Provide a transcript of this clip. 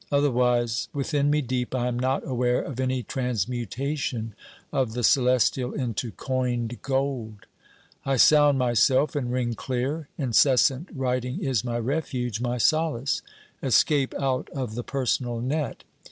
Otherwise, within me deep, I am not aware of any transmutation of the celestial into coined gold. I sound myself, and ring clear. Incessant writing is my refuge, my solace escape out of the personal net.